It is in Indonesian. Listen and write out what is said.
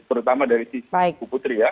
terutama dari sisi ibu putri ya